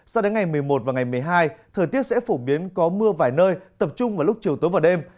sao đến ngày một mươi một và ngày một mươi hai thời tiết sẽ phổ biến có mưa vài nơi tập trung vào lúc chiều tối và đêm